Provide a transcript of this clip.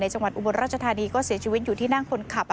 จังหวัดอุบลราชธานีก็เสียชีวิตอยู่ที่นั่งคนขับ